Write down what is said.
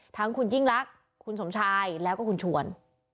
ทั้งคุณยิ่งรักคุณสมชายแล้วก็คุณชวน